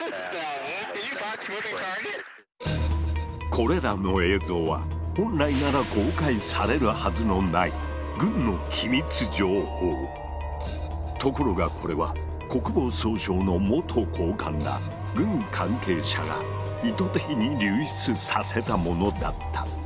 これらの映像は本来なら公開されるはずのないところがこれは国防総省の元高官ら軍関係者が意図的に流出させたものだった。